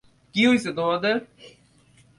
কী হইছে তোমাদের?